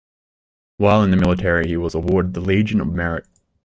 While in the military, he was awarded the Legion of Merit.